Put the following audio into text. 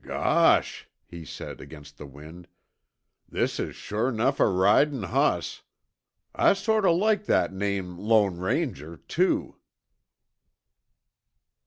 "G g gosh," he said against the wind, "this is shore 'nuff a ridin' hoss! I sort o' like that name 'Lone Ranger,' too!"